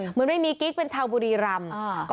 เหมือนไม่มีกิ๊กเป็นชาวบุรีรำ